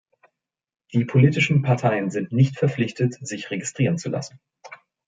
Die politischen Parteien sind nicht verpflichtet, sich registrieren zu lassen.